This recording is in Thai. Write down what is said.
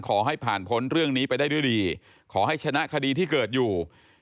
ขอให้ผ่านพ้นเรื่องนี้ไปได้ด้วยดีขอให้ชนะคดีที่เกิดอยู่